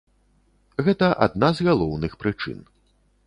Гэта адна з галоўных прычын.